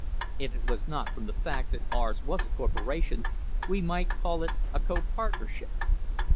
If it was not from the fact that ours was a corporation, we might call it a copartnership.